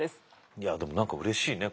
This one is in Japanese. いやでも何かうれしいね。